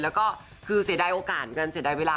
แล้วก็คือเสียดายโอกาสเงินเสียดายเวลา